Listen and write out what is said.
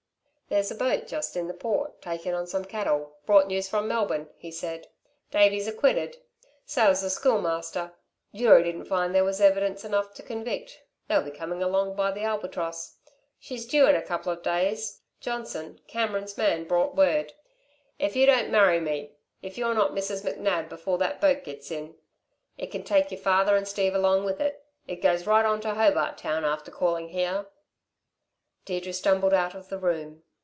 "There's a boat just in the Port takin' on some cattle brought news from Melbourne," he said. "Davey's acquitted. So is the Schoolmaster. Jury didn't find there was evidence enough to convict. They'll be coming along by the Albatross. She's due in a couple of days. Johnson, Cameron's man, brought word. If you don't marry me if y're not Mrs. McNab before that boat gets in it can take y'r father and Steve along with it. It goes right on to Hobart Town after calling here." Deirdre stumbled out of the room.